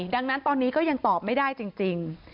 ดังนั้นตอนนี้ก็ยังตอบไม่ได้จริง